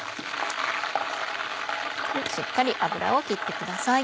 しっかり油を切ってください。